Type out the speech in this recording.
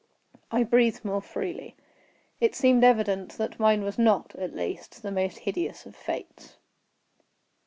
I breathed more freely. It seemed evident that mine was not, at least, the most hideous of fates.